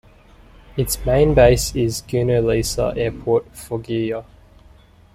Its main base is Gino Lisa Airport, Foggia.